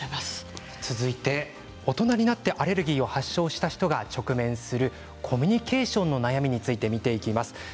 大人になってアレルギーを発症した人が、直面するコミュニケーションの悩みについてです。